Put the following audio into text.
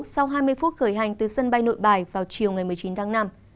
sau hai mươi phút khởi hành từ sân bay nội bài vào chiều một mươi chín tháng năm